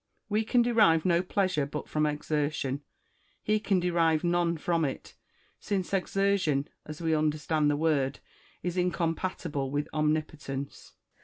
We can derive no pleasure but from exertion ; he can derive none from it : since exertion, as we understand the word, is incompatible with omnipotence.